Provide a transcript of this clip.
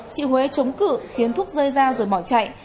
chị huế chống cự khiến thuốc rơi ra rồi bỏ chạy